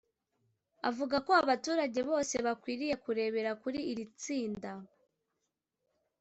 avuga ko abaturage bose bakwiriye kurebera kuri iri tsinda